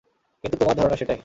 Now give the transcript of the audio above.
কিন্তু তোমার ধারণা সেটাই।